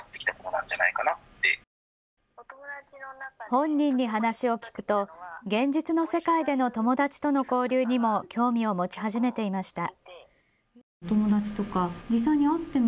本人に話を聞くと現実の世界での友達との交流にも興味を持ち始めていました。